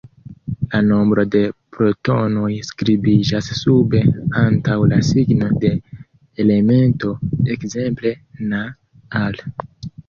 La nombro de protonoj skribiĝas sube antaŭ la signo de elemento, ekzemple: Na, Al.